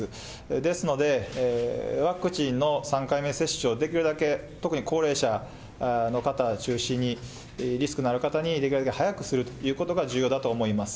ですので、ワクチンの３回目接種をできるだけ、特に高齢者の方を中心に、リスクのある方にできるだけ早くするということが重要だと思います。